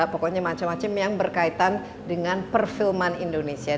pokoknya macam macam yang berkaitan dengan perfilman indonesia